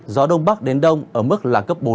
gió đông bắc đến đông ở mức là cấp bốn